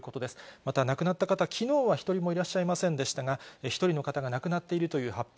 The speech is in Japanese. また亡くなった方、きのうは１人もいらっしゃいませんでしたが、１人の方が亡くなっているという発表。